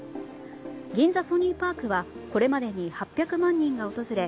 銀座ソニーパークはこれまでに８００万人が訪れ